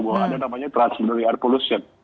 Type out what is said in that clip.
bahwa ada namanya transmedial air pollution